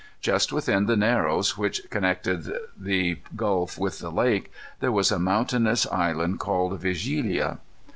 Just within the narrows which connected the gulf with the lake, there was a mountainous island called Vigilia.